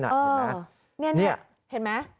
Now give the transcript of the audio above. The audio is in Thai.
นี่เห็นไหม